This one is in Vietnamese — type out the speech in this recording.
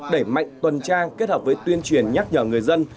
để mạnh tuần trang kết hợp với tuyên truyền nhắc nhở người dân